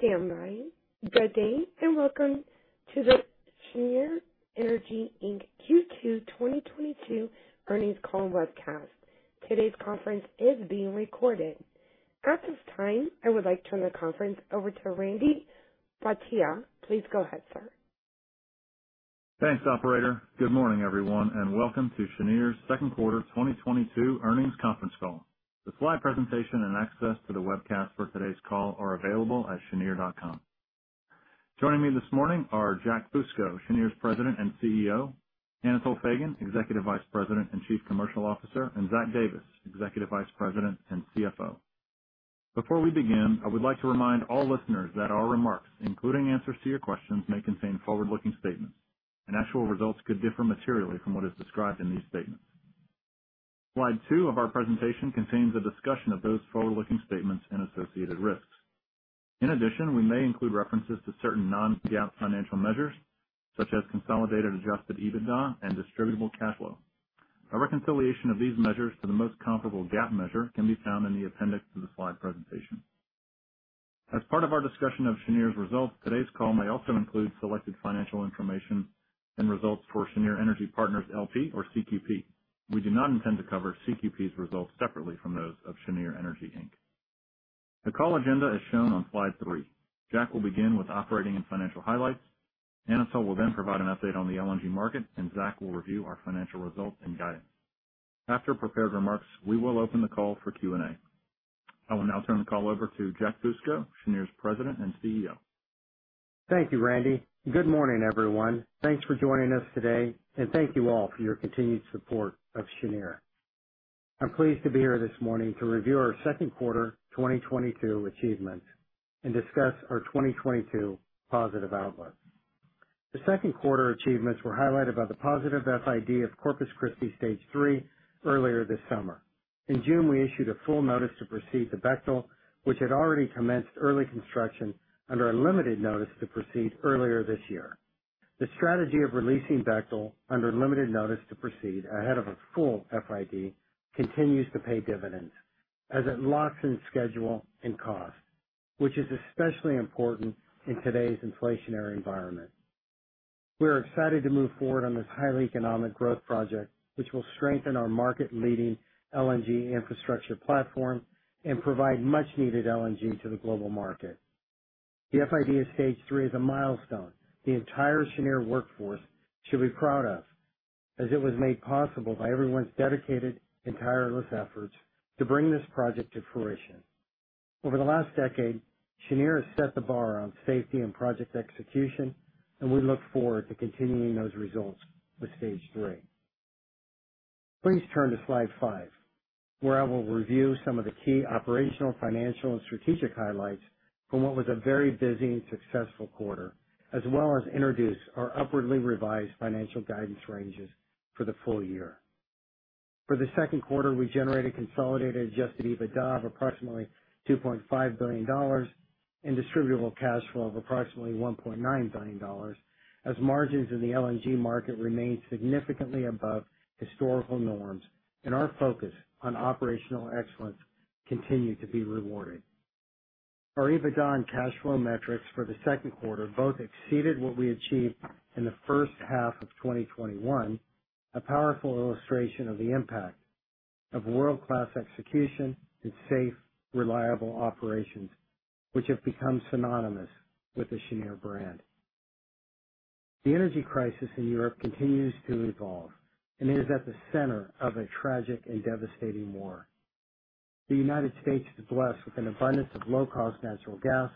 Please stand by. Good day, and welcome to the Cheniere Energy, Inc. Q2 2022 earnings call webcast. Today's conference is being recorded. At this time, I would like to turn the conference over to Randy Bhatia. Please go ahead, sir. Thanks, operator. Good morning, everyone, and welcome to Cheniere's second quarter 2022 earnings conference call. The slide presentation and access to the webcast for today's call are available at cheniere.com. Joining me this morning are Jack Fusco, Cheniere's President and CEO, Anatol Feygin, Executive Vice President and Chief Commercial Officer, and Zach Davis, Executive Vice President and CFO. Before we begin, I would like to remind all listeners that our remarks, including answers to your questions, may contain forward-looking statements, and actual results could differ materially from what is described in these statements. Slide two of our presentation contains a discussion of those forward-looking statements and associated risks. In addition, we may include references to certain non-GAAP financial measures such as consolidated adjusted EBITDA and distributable cash flow. A reconciliation of these measures to the most comparable GAAP measure can be found in the appendix to the slide presentation. As part of our discussion of Cheniere's results, today's call may also include selected financial information and results for Cheniere Energy Partners, L.P. or CQP. We do not intend to cover CQP's results separately from those of Cheniere Energy, Inc. The call agenda is shown on slide three. Jack will begin with operating and financial highlights. Anatol will then provide an update on the LNG market, and Zach will review our financial results and guidance. After prepared remarks, we will open the call for Q&A. I will now turn the call over to Jack Fusco, Cheniere's President and CEO. Thank you, Randy. Good morning, everyone. Thanks for joining us today, and thank you all for your continued support of Cheniere. I'm pleased to be here this morning to review our second quarter 2022 achievements and discuss our 2022 positive outlooks. The second quarter achievements were highlighted by the positive FID of Corpus Christi Stage 3 earlier this summer. In June, we issued a full notice to proceed to Bechtel, which had already commenced early construction under a limited notice to proceed earlier this year. The strategy of releasing Bechtel under limited notice to proceed ahead of a full FID continues to pay dividends as it locks in schedule and cost, which is especially important in today's inflationary environment. We are excited to move forward on this highly economic growth project, which will strengthen our market-leading LNG infrastructure platform and provide much-needed LNG to the global market. The FID of Stage 3 is a milestone the entire Cheniere workforce should be proud of as it was made possible by everyone's dedicated and tireless efforts to bring this project to fruition. Over the last decade, Cheniere has set the bar on safety and project execution, and we look forward to continuing those results with Stage 3. Please turn to slide five, where I will review some of the key operational, financial, and strategic highlights from what was a very busy and successful quarter, as well as introduce our upwardly revised financial guidance ranges for the full year. For the second quarter, we generated consolidated adjusted EBITDA of approximately $2.5 billion and distributable cash flow of approximately $1.9 billion as margins in the LNG market remained significantly above historical norms and our focus on operational excellence continued to be rewarded. Our EBITDA and cash flow metrics for the second quarter both exceeded what we achieved in the first half of 2021, a powerful illustration of the impact of world-class execution and safe, reliable operations, which have become synonymous with the Cheniere brand. The energy crisis in Europe continues to evolve and is at the center of a tragic and devastating war. The United States is blessed with an abundance of low-cost natural gas,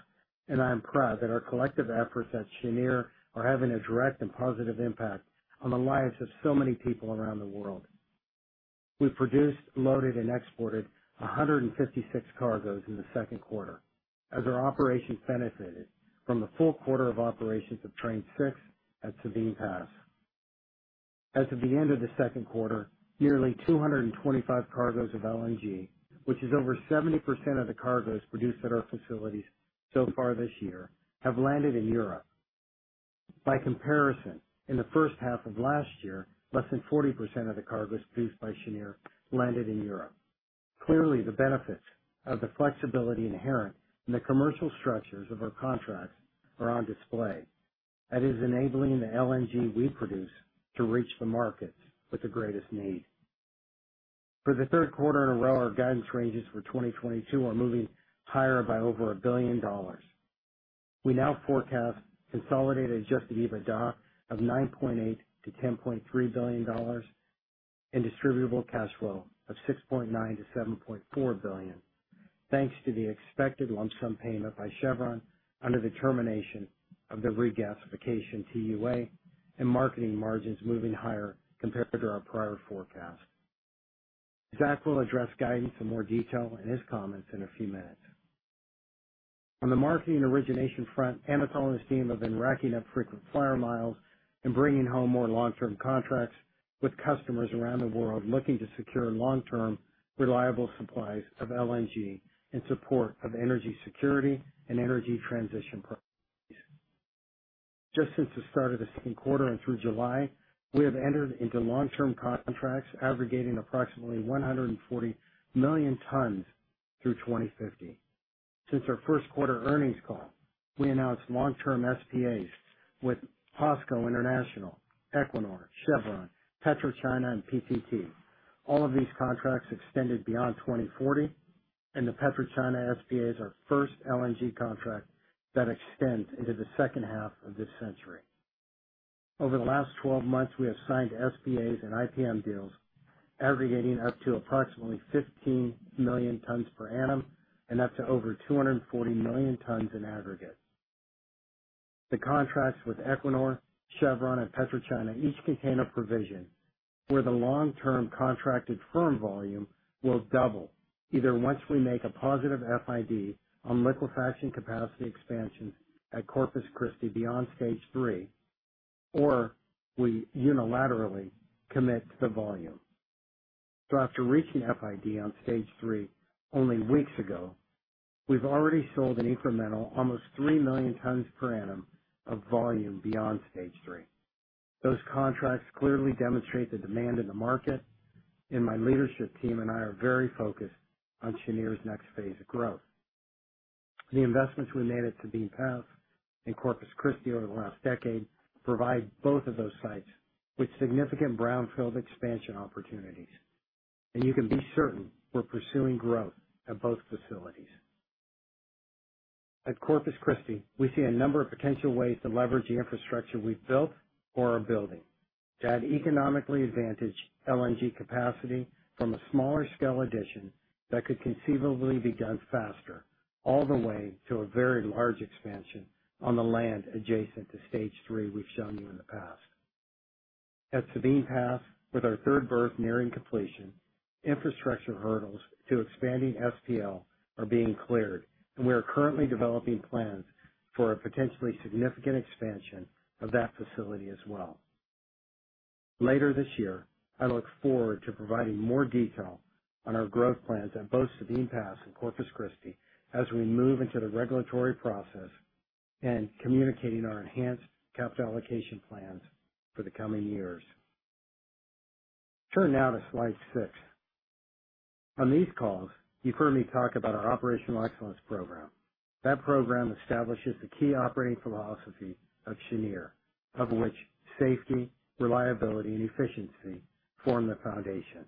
and I am proud that our collective efforts at Cheniere are having a direct and positive impact on the lives of so many people around the world. We produced, loaded, and exported 156 cargoes in the second quarter as our operations benefited from the full quarter of operations of Train 6 at Sabine Pass. As of the end of the second quarter, nearly 225 cargoes of LNG, which is over 70% of the cargoes produced at our facilities so far this year, have landed in Europe. By comparison, in the first half of last year, less than 40% of the cargoes produced by Cheniere landed in Europe. Clearly, the benefits of the flexibility inherent in the commercial structures of our contracts are on display. That is enabling the LNG we produce to reach the markets with the greatest need. For the third quarter in a row, our guidance ranges for 2022 are moving higher by over $1 billion. We now forecast consolidated adjusted EBITDA of $9.8 billion-$10.3 billion and distributable cash flow of $6.9 billion-$7.4 billion, thanks to the expected lump sum payment by Chevron under the termination of the regasification TUA and marketing margins moving higher compared to our prior forecast. Zach will address guidance in more detail in his comments in a few minutes. On the marketing origination front, Anatol and his team have been racking up frequent flyer miles and bringing home more long-term contracts with customers around the world looking to secure long-term, reliable supplies of LNG in support of energy security and energy transition programs. Just since the start of the second quarter and through July, we have entered into long-term contracts aggregating approximately 140 million tons through 2050. Since our first quarter earnings call, we announced long-term SPAs with POSCO International, Equinor, Chevron, PetroChina, and PTT. All of these contracts extended beyond 2040, and the PetroChina SPAs are first LNG contract that extends into the second half of this century. Over the last twelve months, we have signed SPAs and IPM deals aggregating up to approximately 15 million tons per annum and up to over 240 million tons in aggregate. The contracts with Equinor, Chevron, and PetroChina each contain a provision where the long-term contracted firm volume will double either once we make a positive FID on liquefaction capacity expansion at Corpus Christi beyond Stage 3, or we unilaterally commit to the volume. After reaching FID on Stage 3 only weeks ago, we've already sold an incremental almost three million tons per annum of volume beyond Stage 3. Those contracts clearly demonstrate the demand in the market, and my leadership team and I are very focused on Cheniere's next phase of growth. The investments we made at Sabine Pass and Corpus Christi over the last decade provide both of those sites with significant brownfield expansion opportunities. You can be certain we're pursuing growth at both facilities. At Corpus Christi, we see a number of potential ways to leverage the infrastructure we've built or are building to add economically advantaged LNG capacity from a smaller scale addition that could conceivably be done faster, all the way to a very large expansion on the land adjacent to Stage 3 we've shown you in the past. At Sabine Pass, with our third berth nearing completion, infrastructure hurdles to expanding SPL are being cleared, and we are currently developing plans for a potentially significant expansion of that facility as well. Later this year, I look forward to providing more detail on our growth plans at both Sabine Pass and Corpus Christi as we move into the regulatory process and communicating our enhanced capital allocation plans for the coming years. Turn now to slide six. On these calls, you've heard me talk about our operational excellence program. That program establishes the key operating philosophy of Cheniere, of which safety, reliability, and efficiency form the foundation.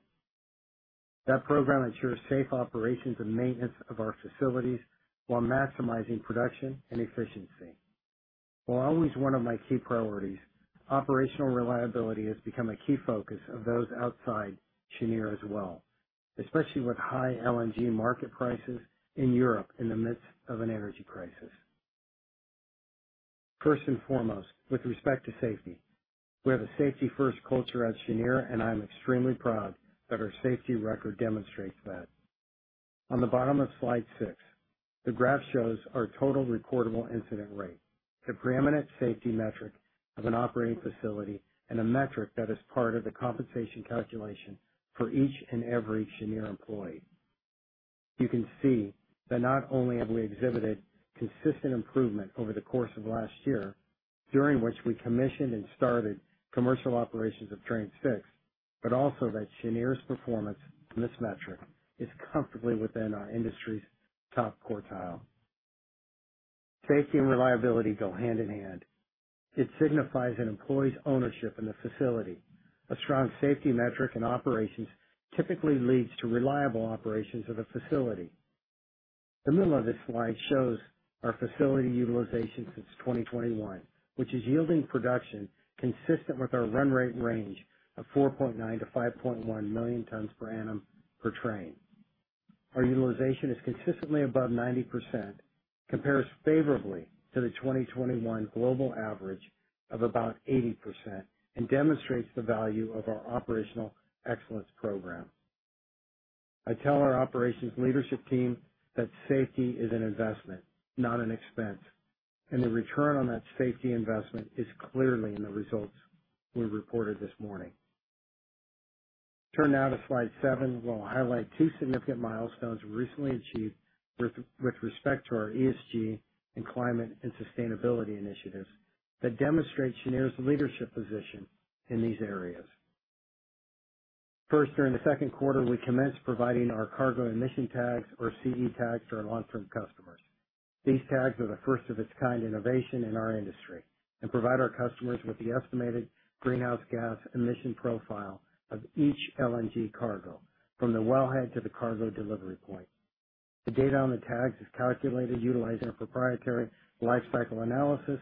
That program ensures safe operations and maintenance of our facilities while maximizing production and efficiency. While always one of my key priorities, operational reliability has become a key focus of those outside Cheniere as well, especially with high LNG market prices in Europe in the midst of an energy crisis. First and foremost, with respect to safety, we have a safety-first culture at Cheniere, and I'm extremely proud that our safety record demonstrates that. On the bottom of slide six, the graph shows our total recordable incident rate, the preeminent safety metric of an operating facility, and a metric that is part of the compensation calculation for each and every Cheniere employee. You can see that not only have we exhibited consistent improvement over the course of last year, during which we commissioned and started commercial operations of Train 6, but also that Cheniere's performance on this metric is comfortably within our industry's top quartile. Safety and reliability go hand in hand. It signifies an employee's ownership in the facility. A strong safety metric in operations typically leads to reliable operations of a facility. The middle of this slide shows our facility utilization since 2021, which is yielding production consistent with our run rate range of 4.9 million-5.1 million tons per annum per train. Our utilization is consistently above 90%, compares favorably to the 2021 global average of about 80%, and demonstrates the value of our operational excellence program. I tell our operations leadership team that safety is an investment, not an expense. The return on that safety investment is clearly in the results we reported this morning. Turn now to slide seven, where I'll highlight two significant milestones recently achieved with respect to our ESG and climate and sustainability initiatives that demonstrate Cheniere's leadership position in these areas. First, during the second quarter, we commenced providing our Cargo Emission Tags, or CE Tags, to our long-term customers. These tags are the first-of-its-kind innovation in our industry and provide our customers with the estimated greenhouse gas emission profile of each LNG cargo from the wellhead to the cargo delivery point. The data on the tags is calculated utilizing our proprietary life cycle analysis,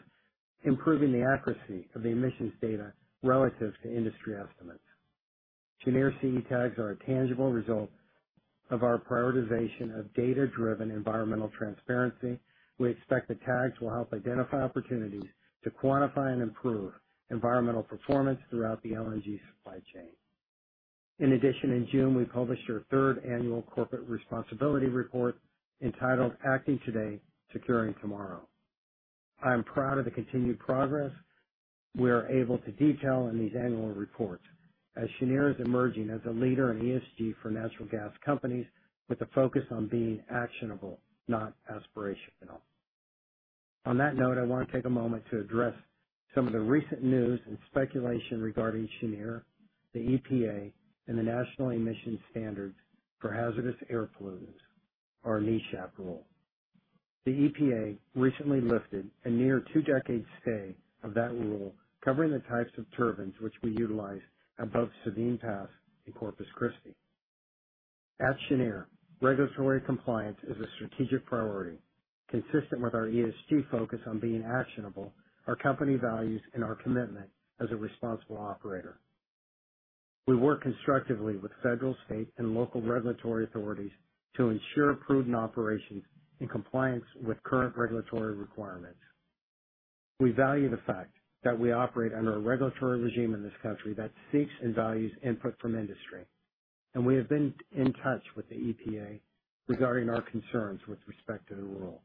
improving the accuracy of the emissions data relative to industry estimates. Cheniere CE Tags are a tangible result of our prioritization of data-driven environmental transparency. We expect the tags will help identify opportunities to quantify and improve environmental performance throughout the LNG supply chain. In addition, in June, we published our third annual corporate responsibility report entitled Acting Today, Securing Tomorrow. I am proud of the continued progress we are able to detail in these annual reports as Cheniere is emerging as a leader in ESG for natural gas companies with a focus on being actionable, not aspirational. On that note, I wanna take a moment to address some of the recent news and speculation regarding Cheniere, the EPA, and the National Emission Standards for Hazardous Air Pollutants, or NESHAP rule. The EPA recently lifted a near two-decade stay of that rule covering the types of turbines which we utilize at both Sabine Pass in Corpus Christi. At Cheniere, regulatory compliance is a strategic priority. Consistent with our ESG focus on being actionable, our company values and our commitment as a responsible operator. We work constructively with federal, state, and local regulatory authorities to ensure prudent operations in compliance with current regulatory requirements. We value the fact that we operate under a regulatory regime in this country that seeks and values input from industry, and we have been in touch with the EPA regarding our concerns with respect to the rule.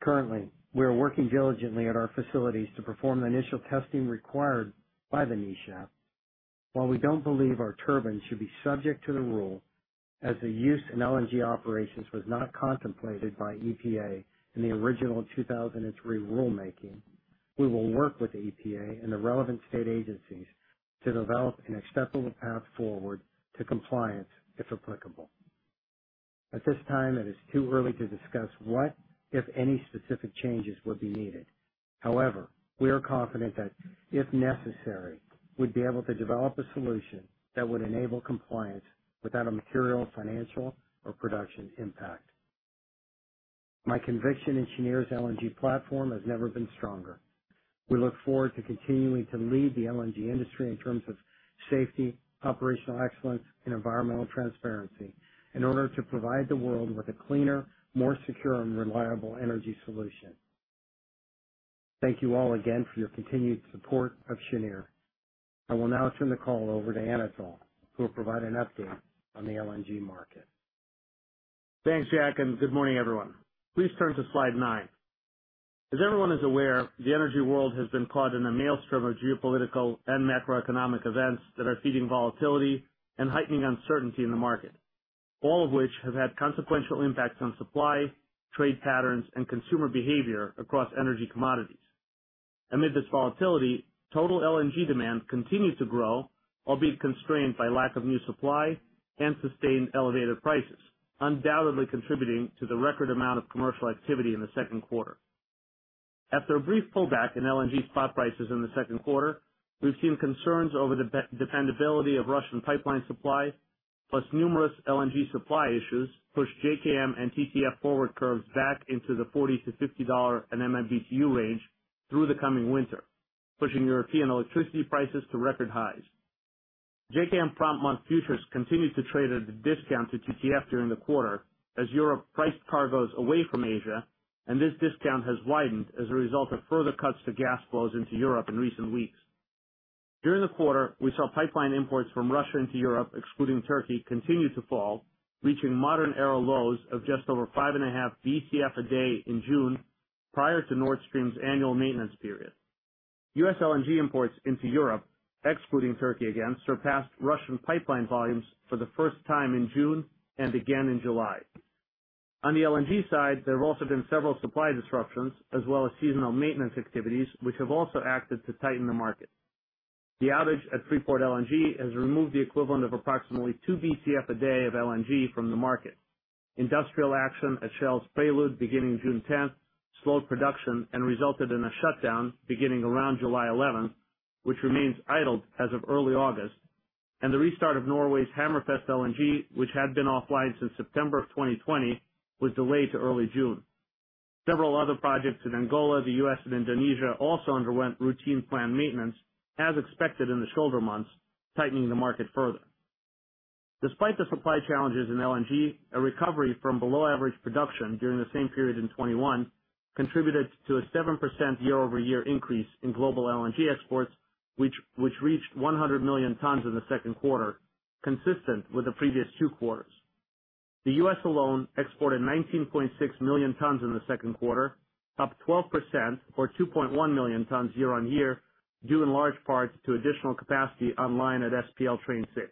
Currently, we are working diligently at our facilities to perform the initial testing required by the NESHAP. While we don't believe our turbines should be subject to the rule, as the use in LNG operations was not contemplated by EPA in the original 2003 rulemaking, we will work with the EPA and the relevant state agencies to develop an acceptable path forward to compliance, if applicable. At this time, it is too early to discuss what, if any, specific changes would be needed. However, we are confident that, if necessary, we'd be able to develop a solution that would enable compliance without a material financial or production impact. My conviction in Cheniere's LNG platform has never been stronger. We look forward to continuing to lead the LNG industry in terms of safety, operational excellence, and environmental transparency in order to provide the world with a cleaner, more secure and reliable energy solution. Thank you all again for your continued support of Cheniere. I will now turn the call over to Anatol, who will provide an update on the LNG market. Thanks, Jack, and good morning, everyone. Please turn to slide nine. As everyone is aware, the energy world has been caught in a maelstrom of geopolitical and macroeconomic events that are feeding volatility and heightening uncertainty in the market. All of which have had consequential impacts on supply, trade patterns, and consumer behavior across energy commodities. Amid this volatility, total LNG demand continued to grow, albeit constrained by lack of new supply and sustained elevated prices, undoubtedly contributing to the record amount of commercial activity in the second quarter. After a brief pullback in LNG spot prices in the second quarter, we've seen concerns over the dependability of Russian pipeline supply, plus numerous LNG supply issues, push JKM and TTF forward curves back into the $40-$50/MMBtu range through the coming winter, pushing European electricity prices to record highs. JKM front-month futures continued to trade at a discount to TTF during the quarter as Europe priced cargoes away from Asia, and this discount has widened as a result of further cuts to gas flows into Europe in recent weeks. During the quarter, we saw pipeline imports from Russia into Europe, excluding Turkey, continue to fall, reaching modern era lows of just over 5.5 BCF a day in June, prior to Nord Stream's annual maintenance period. U.S. LNG imports into Europe, excluding Turkey again, surpassed Russian pipeline volumes for the first time in June and again in July. On the LNG side, there have also been several supply disruptions as well as seasonal maintenance activities, which have also acted to tighten the market. The outage at Freeport LNG has removed the equivalent of approximately 2 BCF a day of LNG from the market. Industrial action at Shell's Prelude beginning June tenth slowed production and resulted in a shutdown beginning around July eleventh, which remains idled as of early August, and the restart of Norway's Hammerfest LNG, which had been offline since September 2020, was delayed to early June. Several other projects in Angola, the U.S., and Indonesia also underwent routine planned maintenance, as expected in the shoulder months, tightening the market further. Despite the supply challenges in LNG, a recovery from below-average production during the same period in 2021 contributed to a 7% year-over-year increase in global LNG exports, which reached 100 million tons in the second quarter, consistent with the previous two quarters. The U.S. alone exported 19.6 million tons in the second quarter, up 12% or 2.1 million tons year-over-year, due in large part to additional capacity online at SPL Train 6.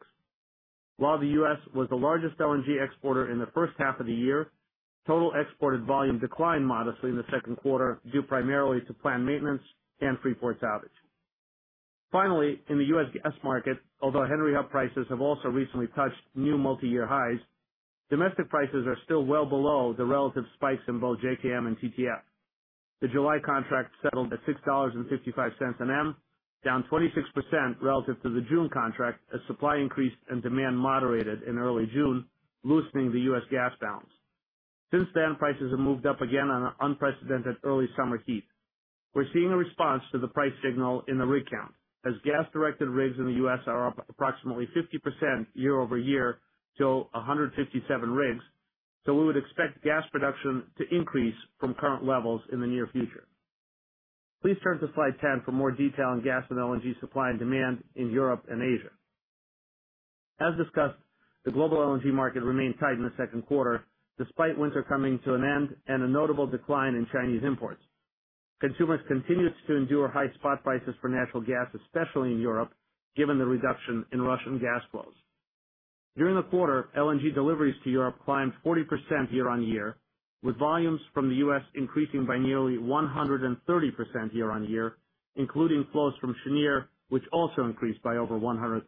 While the U.S. was the largest LNG exporter in the first half of the year, total exported volume declined modestly in the second quarter, due primarily to planned maintenance and Freeport's outage. Finally, in the U.S. gas market, although Henry Hub prices have also recently touched new multiyear highs, domestic prices are still well below the relative spikes in both JKM and TTF. The July contract settled at $6.55 an M, down 26% relative to the June contract as supply increased and demand moderated in early June, loosening the U.S. gas balance. Since then, prices have moved up again on an unprecedented early summer heat. We're seeing a response to the price signal in the rig count as gas-directed rigs in the U.S. are up approximately 50% year-over-year to 157 rigs, so we would expect gas production to increase from current levels in the near future. Please turn to slide 10 for more detail on gas and LNG supply and demand in Europe and Asia. As discussed, the global LNG market remained tight in the second quarter despite winter coming to an end and a notable decline in Chinese imports. Consumers continued to endure high spot prices for natural gas, especially in Europe, given the reduction in Russian gas flows. During the quarter, LNG deliveries to Europe climbed 40% year-over-year, with volumes from the U.S. increasing by nearly 130% year-over-year, including flows from Cheniere, which also increased by over 130%.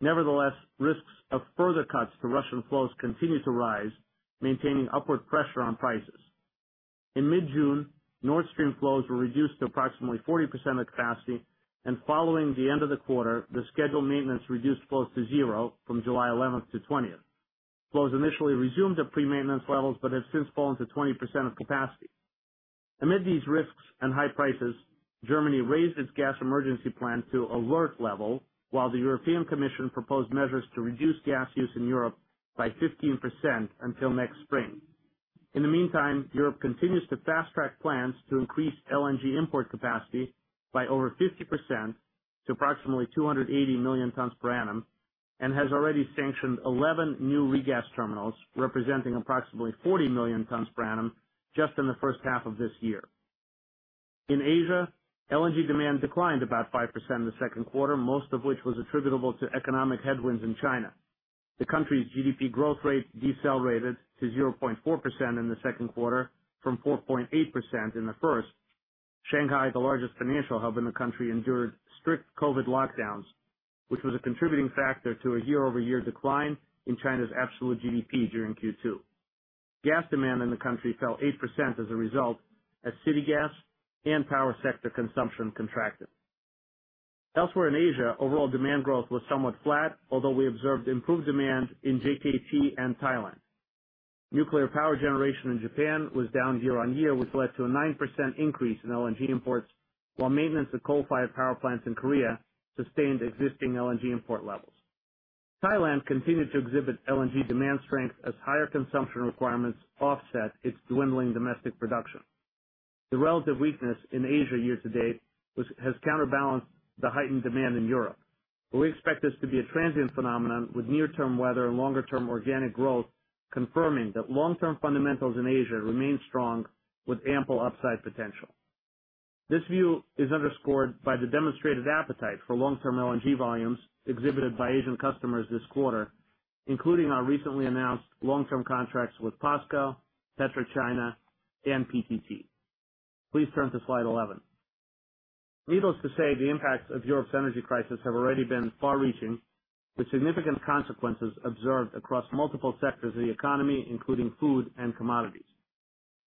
Nevertheless, risks of further cuts to Russian flows continue to rise, maintaining upward pressure on prices. In mid-June, Nord Stream flows were reduced to approximately 40% of capacity, and following the end of the quarter, the scheduled maintenance reduced flows to zero from July 11 to 20. Flows initially resumed at pre-maintenance levels but have since fallen to 20% of capacity. Amid these risks and high prices, Germany raised its gas emergency plan to alert level, while the European Commission proposed measures to reduce gas use in Europe by 15% until next spring. In the meantime, Europe continues to fast-track plans to increase LNG import capacity by over 50% to approximately 280 million tons per annum, and has already sanctioned 11 new regas terminals, representing approximately 40 million tons per annum just in the first half of this year. In Asia, LNG demand declined about 5% in the second quarter, most of which was attributable to economic headwinds in China. The country's GDP growth rate decelerated to 0.4% in the second quarter from 4.8% in the first. Shanghai, the largest financial hub in the country, endured strict COVID lockdowns, which was a contributing factor to a year-over-year decline in China's absolute GDP during Q2. Gas demand in the country fell 8% as a result, as city gas and power sector consumption contracted. Elsewhere in Asia, overall demand growth was somewhat flat, although we observed improved demand in JKTC and Thailand. Nuclear power generation in Japan was down year-on-year, which led to a 9% increase in LNG imports, while maintenance of coal-fired power plants in Korea sustained existing LNG import levels. Thailand continued to exhibit LNG demand strength as higher consumption requirements offset its dwindling domestic production. The relative weakness in Asia year-to-date has counterbalanced the heightened demand in Europe. We expect this to be a transient phenomenon, with near-term weather and longer-term organic growth confirming that long-term fundamentals in Asia remain strong with ample upside potential. This view is underscored by the demonstrated appetite for long-term LNG volumes exhibited by Asian customers this quarter, including our recently announced long-term contracts with POSCO, PetroChina, and PTT. Please turn to slide 11. Needless to say, the impacts of Europe's energy crisis have already been far-reaching, with significant consequences observed across multiple sectors of the economy, including food and commodities.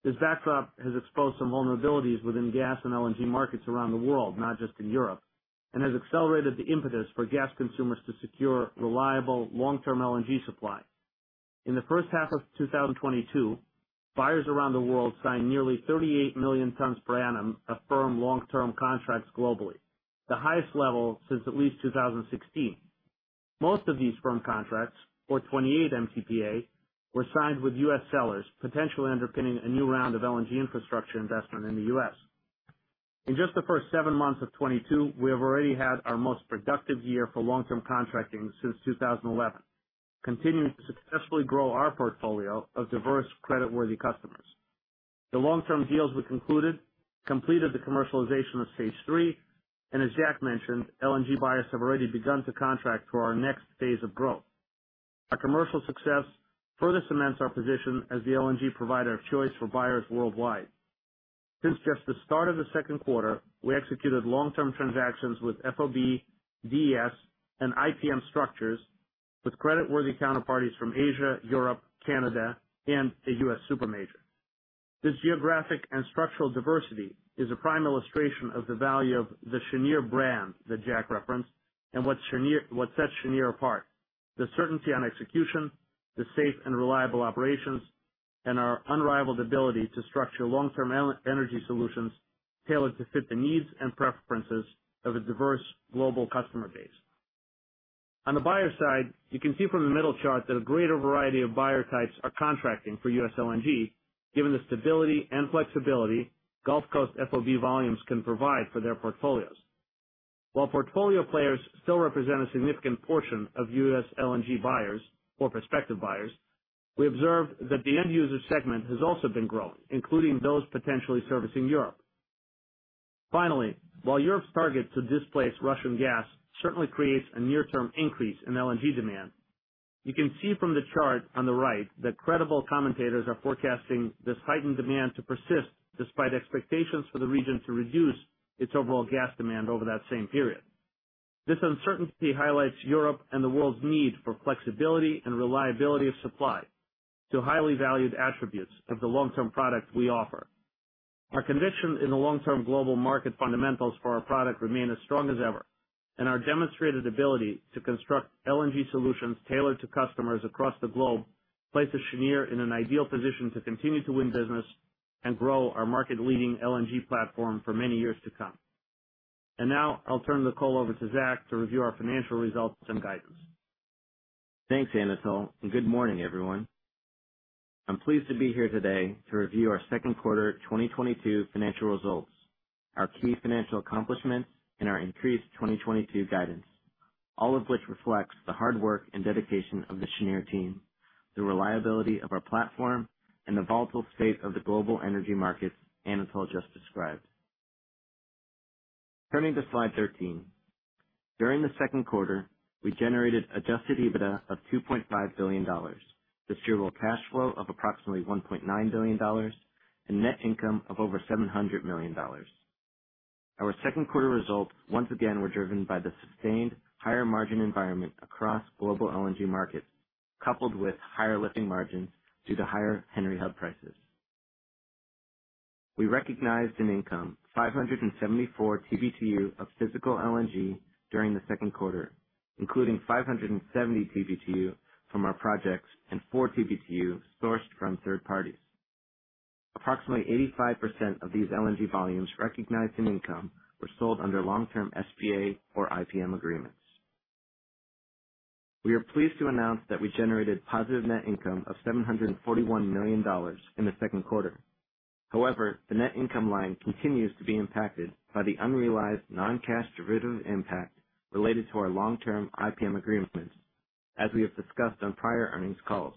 This backdrop has exposed some vulnerabilities within gas and LNG markets around the world, not just in Europe, and has accelerated the impetus for gas consumers to secure reliable long-term LNG supply. In the first half of 2022, buyers around the world signed nearly 38 million tons per annum of firm long-term contracts globally, the highest level since at least 2016. Most of these firm contracts, or 28 mtpa, were signed with U.S. sellers, potentially underpinning a new round of LNG infrastructure investment in the U.S. In just the first seven months of 2022, we have already had our most productive year for long-term contracting since 2011, continuing to successfully grow our portfolio of diverse credit-worthy customers. The long-term deals we concluded completed the commercialization of Stage 3, and as Jack mentioned, LNG buyers have already begun to contract for our next phase of growth. Our commercial success further cements our position as the LNG provider of choice for buyers worldwide. Since just the start of the second quarter, we executed long-term transactions with FOB, DES, and IPM structures with credit-worthy counterparties from Asia, Europe, Canada, and a U.S. super major. This geographic and structural diversity is a prime illustration of the value of the Cheniere brand that Jack referenced, and what sets Cheniere apart. The certainty on execution, the safe and reliable operations, and our unrivaled ability to structure long-term energy solutions tailored to fit the needs and preferences of a diverse global customer base. On the buyer side, you can see from the middle chart that a greater variety of buyer types are contracting for U.S. LNG, given the stability and flexibility Gulf Coast FOB volumes can provide for their portfolios. While portfolio players still represent a significant portion of U.S. LNG buyers or prospective buyers, we observe that the end-user segment has also been growing, including those potentially servicing Europe. Finally, while Europe's target to displace Russian gas certainly creates a near-term increase in LNG demand, you can see from the chart on the right that credible commentators are forecasting this heightened demand to persist despite expectations for the region to reduce its overall gas demand over that same period. This uncertainty highlights Europe and the world's need for flexibility and reliability of supply to highly valued attributes of the long-term product we offer. Our conviction in the long-term global market fundamentals for our product remain as strong as ever, and our demonstrated ability to construct LNG solutions tailored to customers across the globe places Cheniere in an ideal position to continue to win business and grow our market-leading LNG platform for many years to come. Now I'll turn the call over to Zach to review our financial results and guidance. Thanks, Anatol, and good morning, everyone. I'm pleased to be here today to review our second quarter 2022 financial results, our key financial accomplishments and our increased 2022 guidance, all of which reflects the hard work and dedication of the Cheniere team, the reliability of our platform, and the volatile state of the global energy markets Anatol just described. Turning to slide 13. During the second quarter, we generated adjusted EBITDA of $2.5 billion, distributable cash flow of approximately $1.9 billion, and net income of over $700 million. Our second quarter results once again were driven by the sustained higher margin environment across global LNG markets, coupled with higher lifting margins due to higher Henry Hub prices. We recognized in income 574 TBtu of physical LNG during the second quarter, including 570 TBtu from our projects and 4 TBtu sourced from third parties. Approximately 85% of these LNG volumes recognized in income were sold under long-term SPA or IPM agreements. We are pleased to announce that we generated positive net income of $741 million in the second quarter. However, the net income line continues to be impacted by the unrealized non-cash derivative impact related to our long-term IPM agreements, as we have discussed on prior earnings calls.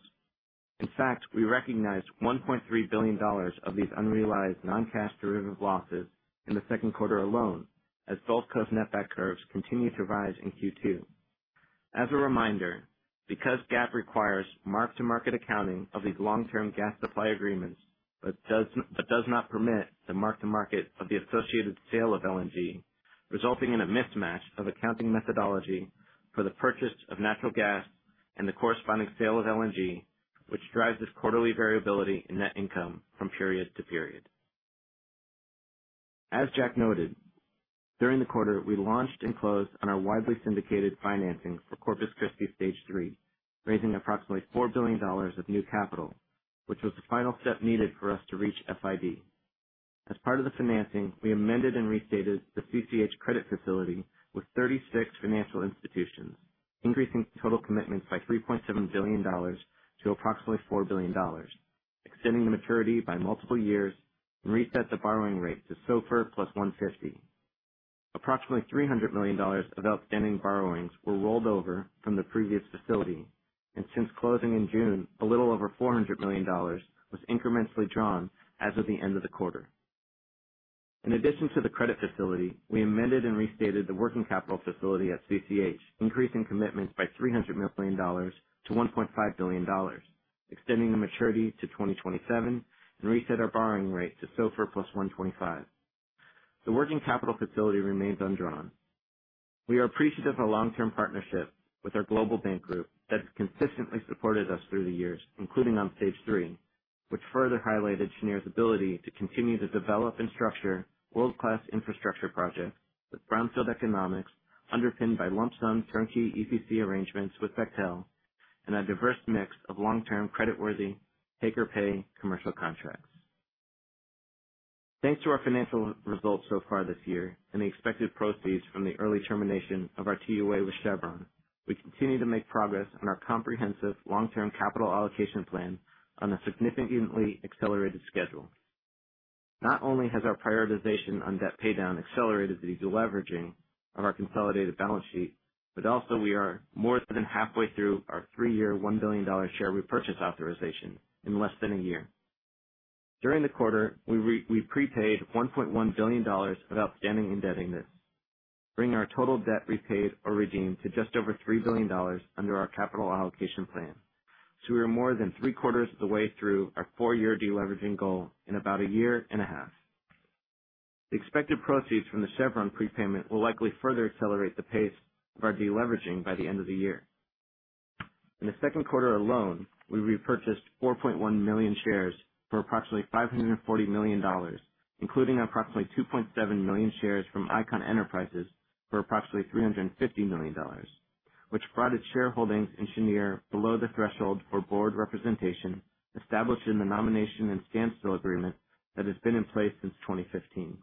In fact, we recognized $1.3 billion of these unrealized non-cash derivative losses in the second quarter alone, as Gulf Coast netback curves continued to rise in Q2. As a reminder, because GAAP requires mark-to-market accounting of these long-term gas supply agreements, but does not permit the mark-to-market of the associated sale of LNG, resulting in a mismatch of accounting methodology for the purchase of natural gas and the corresponding sale of LNG, which drives this quarterly variability in net income from period to period. As Jack noted, during the quarter, we launched and closed on our widely syndicated financing for Corpus Christi Stage 3, raising approximately $4 billion of new capital, which was the final step needed for us to reach FID. As part of the financing, we amended and restated the CCH credit facility with 36 financial institutions, increasing total commitments by $3.7 billion to approximately $4 billion, extending the maturity by multiple years, and reset the borrowing rate to SOFR plus 150. Approximately $300 million of outstanding borrowings were rolled over from the previous facility, and since closing in June, a little over $400 million was incrementally drawn as of the end of the quarter. In addition to the credit facility, we amended and restated the working capital facility at CCH, increasing commitments by $300 million to $1.5 billion, extending the maturity to 2027, and reset our borrowing rate to SOFR plus 125. The working capital facility remains undrawn. We are appreciative of long-term partnership with our global bank group that's consistently supported us through the years, including on Stage 3, which further highlighted Cheniere's ability to continue to develop and structure world-class infrastructure projects with brownfield economics underpinned by lump sum turnkey EPC arrangements with Bechtel and a diverse mix of long-term creditworthy take-or-pay commercial contracts. Thanks to our financial results so far this year and the expected proceeds from the early termination of our TUA with Chevron, we continue to make progress on our comprehensive long-term capital allocation plan on a significantly accelerated schedule. Not only has our prioritization on debt paydown accelerated the deleveraging of our consolidated balance sheet, but also we are more than halfway through our three-year, $1 billion share repurchase authorization in less than a year. During the quarter, we prepaid $1.1 billion of outstanding indebtedness, bringing our total debt repaid or redeemed to just over $3 billion under our capital allocation plan. We are more than three-quarters of the way through our four-year deleveraging goal in about a year and a half. The expected proceeds from the Chevron prepayment will likely further accelerate the pace of our deleveraging by the end of the year. In the second quarter alone, we repurchased 4.1 million shares for approximately $540 million, including approximately 2.7 million shares from Icahn Enterprises for approximately $350 million, which brought its shareholdings in Cheniere below the threshold for board representation established in the nomination and standstill agreement that has been in place since 2015.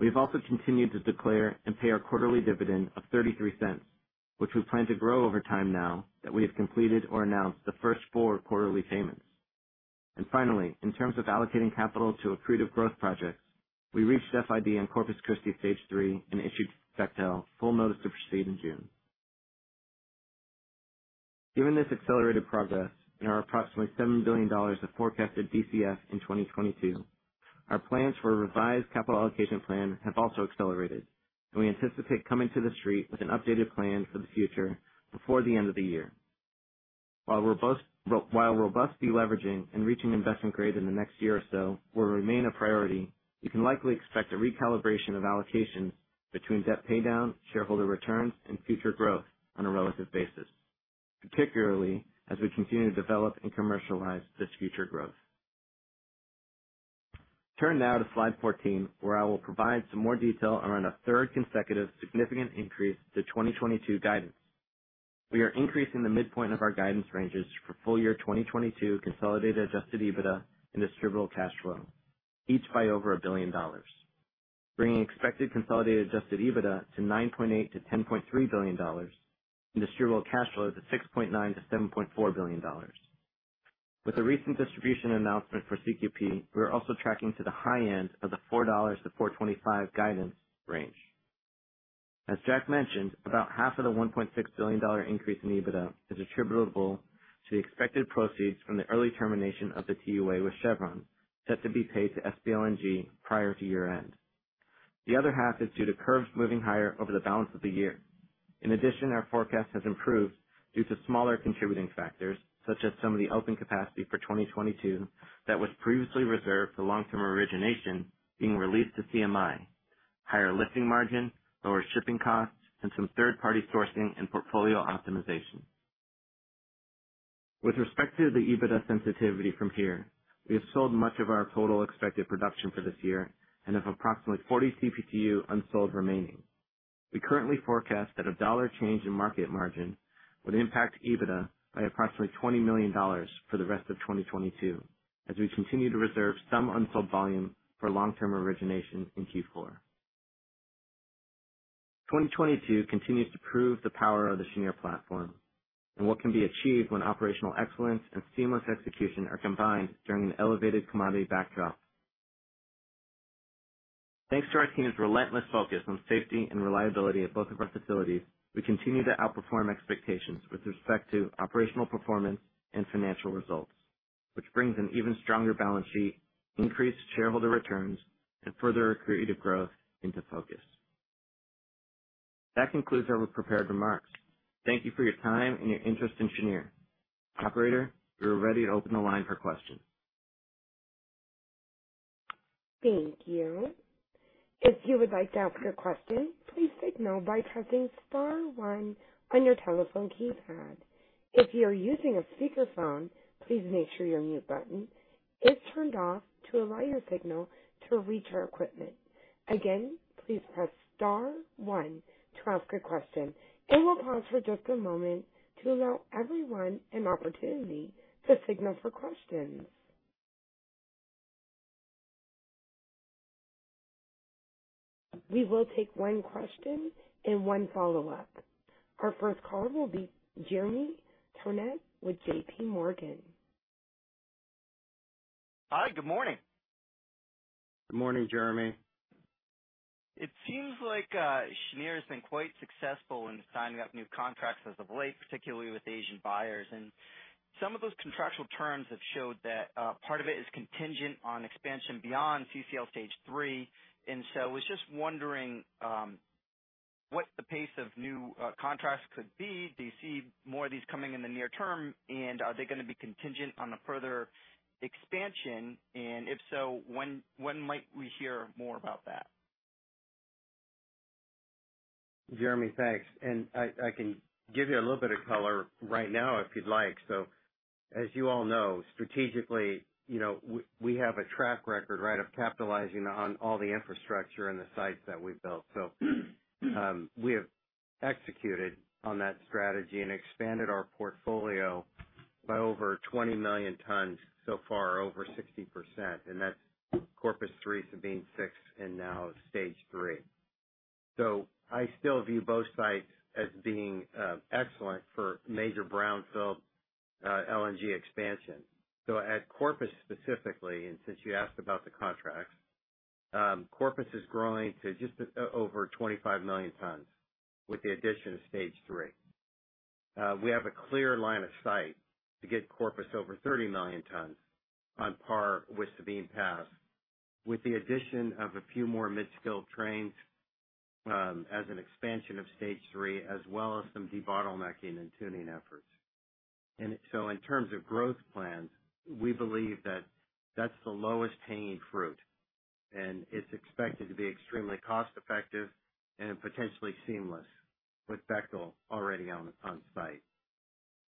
We have also continued to declare and pay our quarterly dividend of $0.33, which we plan to grow over time now that we have completed or announced the first 4 quarterly payments. Finally, in terms of allocating capital to accretive growth projects, we reached FID in Corpus Christi Stage 3 and issued Bechtel full notice to proceed in June. Given this accelerated progress and our approximately $7 billion of forecasted DCF in 2022, our plans for a revised capital allocation plan have also accelerated, and we anticipate coming to the street with an updated plan for the future before the end of the year. While robust deleveraging and reaching investment grade in the next year or so will remain a priority, you can likely expect a recalibration of allocations between debt paydown, shareholder returns, and future growth on a relative basis, particularly as we continue to develop and commercialize this future growth. Turn now to slide 14, where I will provide some more detail around a third consecutive significant increase to 2022 guidance. We are increasing the midpoint of our guidance ranges for full-year 2022 consolidated adjusted EBITDA and distributable cash flow, each by over $1 billion. Expected consolidated adjusted EBITDA is $9.8 billion-$10.3 billion and distributable cash flows are $6.9 billion-$7.4 billion. With the recent distribution announcement for CQP, we are also tracking to the high end of the $4-$4.25 guidance range. As Jack mentioned, about half of the $1.6 billion increase in EBITDA is attributable to the expected proceeds from the early termination of the TUA with Chevron, set to be paid to SPLNG prior to year-end. The other half is due to curves moving higher over the balance of the year. In addition, our forecast has improved due to smaller contributing factors, such as some of the open capacity for 2022 that was previously reserved for long-term origination being released to CMI, higher lifting margin, lower shipping costs, and some third-party sourcing and portfolio optimization. With respect to the EBITDA sensitivity from here, we have sold much of our total expected production for this year and have approximately 40 CPTU unsold remaining. We currently forecast that a dollar change in market margin would impact EBITDA by approximately $20 million for the rest of 2022, as we continue to reserve some unsold volume for long-term origination in Q4. 2022 continues to prove the power of the Cheniere platform and what can be achieved when operational excellence and seamless execution are combined during an elevated commodity backdrop. Thanks to our team's relentless focus on safety and reliability at both of our facilities, we continue to outperform expectations with respect to operational performance and financial results, which brings an even stronger balance sheet, increased shareholder returns, and further accretive growth into focus. That concludes our prepared remarks. Thank you for your time and your interest in Cheniere. Operator, we are ready to open the line for questions. Thank you. If you would like to ask a question, please signal by pressing star one on your telephone keypad. If you are using a speakerphone, please make sure your mute button is turned off to allow your signal to reach our equipment. Again, please press star one to ask a question. We'll pause for just a moment to allow everyone an opportunity to signal for questions. We will take one question and one follow-up. Our first caller will be Jeremy Tonet with JPMorgan. Hi. Good morning. Good morning, Jeremy. It seems like Cheniere has been quite successful in signing up new contracts as of late, particularly with the Asian buyers. Some of those contractual terms have showed that part of it is contingent on expansion beyond CCL Stage 3. I was just wondering what the pace of new contracts could be. Do you see more of these coming in the near term, and are they gonna be contingent on a further expansion? If so, when might we hear more about that? Jeremy, thanks. I can give you a little bit of color right now if you'd like. As you all know, strategically, you know, we have a track record, right, of capitalizing on all the infrastructure and the sites that we've built. We have executed on that strategy and expanded our portfolio by over 20 million tons so far, over 60%, and that's Corpus 3, Sabine 6 and now Stage 3. I still view both sites as being excellent for major brownfield LNG expansion. At Corpus specifically, and since you asked about the contracts, Corpus is growing to just over 25 million tons with the addition of Stage 3. We have a clear line of sight to get Corpus over 30 million tons on par with Sabine Pass, with the addition of a few more mid-scale trains, as an expansion of Stage 3, as well as some debottlenecking and tuning efforts. In terms of growth plans, we believe that that's the lowest hanging fruit, and it's expected to be extremely cost effective and potentially seamless with Bechtel already on site.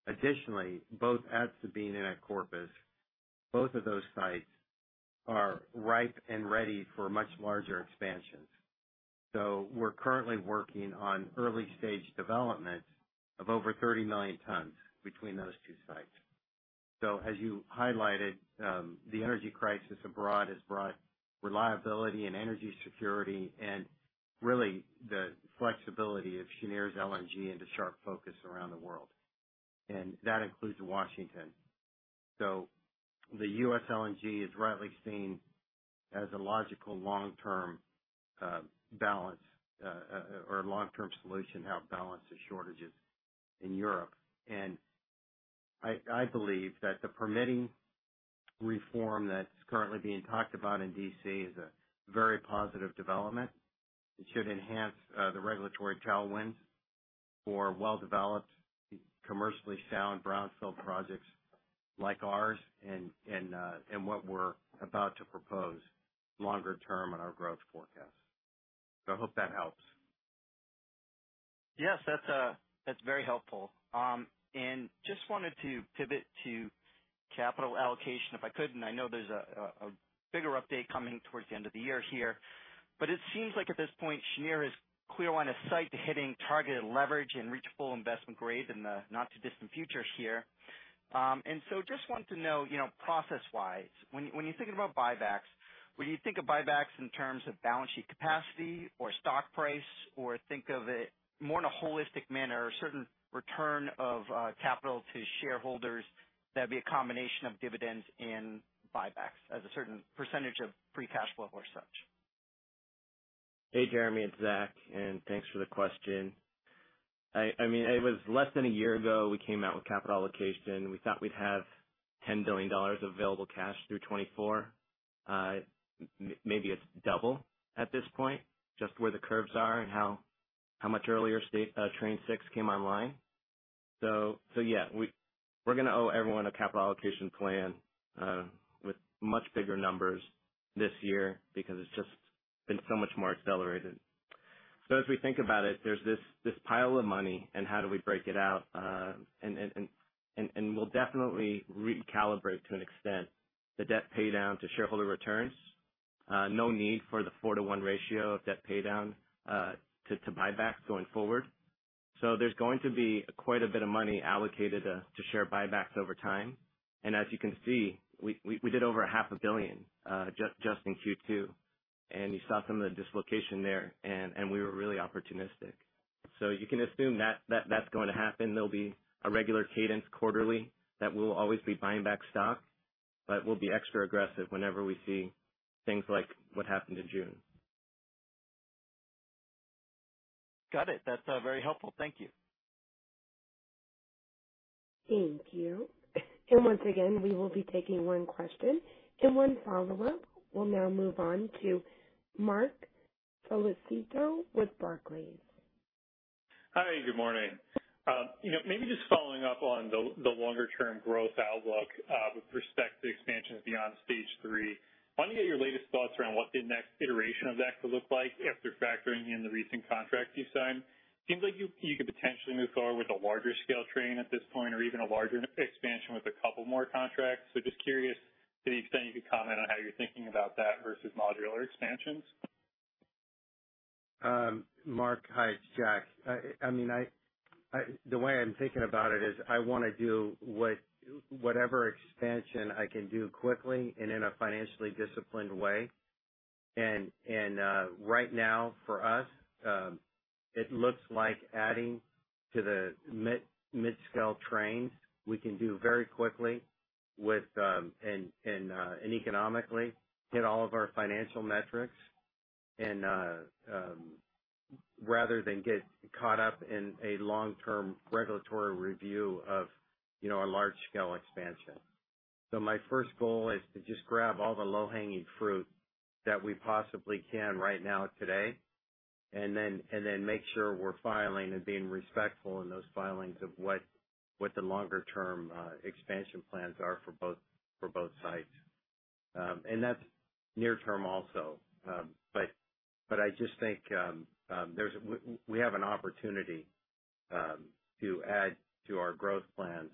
Additionally, both at Sabine and at Corpus, both of those sites are ripe and ready for much larger expansions. We're currently working on early stage development of over 30 million tons between those two sites. As you highlighted, the energy crisis abroad has brought reliability and energy security and really the flexibility of Cheniere's LNG into sharp focus around the world, and that includes Washington. The U.S. LNG is rightly seen as a logical long-term balance or long-term solution to help balance the shortages in Europe. I believe that the permitting reform that's currently being talked about in D.C. is a very positive development. It should enhance the regulatory tailwinds for well-developed, commercially sound brownfield projects like ours and what we're about to propose longer term in our growth forecast. I hope that helps. Yes, that's very helpful. Just wanted to pivot to capital allocation, if I could, and I know there's a bigger update coming towards the end of the year here. It seems like at this point Cheniere is clear on its sights set on hitting targeted leverage and reaching full investment grade in the not-too-distant future here. Just wanted to know, you know, process-wise, when you're thinking about buybacks, would you think of buybacks in terms of balance sheet capacity or stock price, or think of it more in a holistic manner, a certain return of capital to shareholders that'd be a combination of dividends and buybacks as a certain percentage of free cash flow or such? Hey, Jeremy, it's Zach, and thanks for the question. I mean, it was less than a year ago we came out with capital allocation. We thought we'd have $10 billion available cash through 2024. Maybe it's double at this point, just where the curves are and how much earlier Train 6 came online. Yeah, we're gonna owe everyone a capital allocation plan with much bigger numbers this year because it's just been so much more accelerated. As we think about it, there's this pile of money and how do we break it out? We'll definitely recalibrate, to an extent, the debt pay down to shareholder returns. No need for the 4-to-1 ratio of debt pay down to buybacks going forward. There's going to be quite a bit of money allocated to share buybacks over time. As you can see, we did over $500 million just in Q2. You saw some of the dislocation there, and we were really opportunistic. You can assume that that's going to happen. There'll be a regular cadence quarterly that we'll always be buying back stock, but we'll be extra aggressive whenever we see things like what happened in June. Got it. That's, very helpful. Thank you. Thank you. Once again, we will be taking one question and one follow-up. We'll now move on to Marc Solecitto with Barclays. Hi, good morning. You know, maybe just following up on the longer term growth outlook, with respect to expansions beyond Stage 3. Wanted to get your latest thoughts around what the next iteration of that could look like after factoring in the recent contracts you've signed. Seems like you could potentially move forward with a larger scale train at this point or even a larger expansion with a couple more contracts. Just curious to the extent you could comment on how you're thinking about that versus modular expansions? Mark. Hi, it's Jack. I mean, the way I'm thinking about it is I wanna do whatever expansion I can do quickly and in a financially disciplined way. Right now, for us, it looks like adding to the mid-scale trains, we can do very quickly and economically hit all of our financial metrics. Rather than get caught up in a long-term regulatory review of a large scale expansion. My first goal is to just grab all the low-hanging fruit that we possibly can right now today, and then make sure we're filing and being respectful in those filings of what the longer-term expansion plans are for both sites. That's near term also. I just think we have an opportunity to add to our growth plans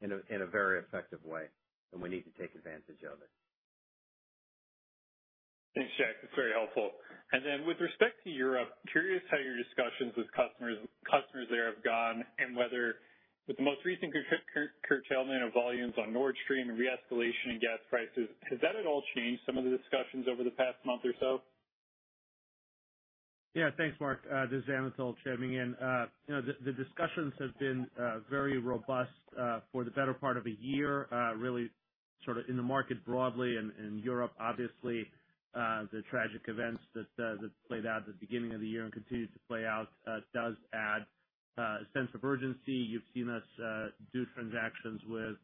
in a very effective way, and we need to take advantage of it. Thanks, Jack. That's very helpful. With respect to Europe, curious how your discussions with customers there have gone and whether with the most recent curtailment of volumes on Nord Stream and re-escalation in gas prices, has that at all changed some of the discussions over the past month or so? Yeah. Thanks, Marc. This is Anatol chiming in. You know, the discussions have been very robust for the better part of a year, really sort of in the market broadly and in Europe. Obviously, the tragic events that played out at the beginning of the year and continue to play out does add a sense of urgency. You've seen us do transactions with